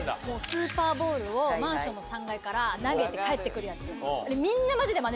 スーパーボールをマンションの３階から投げて返って来るやつ。